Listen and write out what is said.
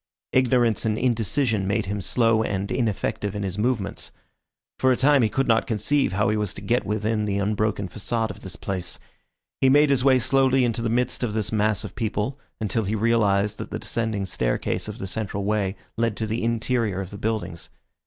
Ignorance and indecision made him slow and ineffective in his movements. For a time he could not conceive how he was to get within the unbroken façade of this place. He made his way slowly into the midst of this mass of people, until he realised that the descending staircase of the central way led to the interior of the buildings.